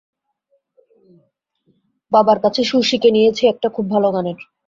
বাবার কাছে সুর শিখে নিয়েছি একটা খুব ভালো গানের।